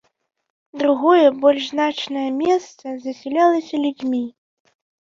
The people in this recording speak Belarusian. Другое, больш значнае месца, засялялася людзьмі.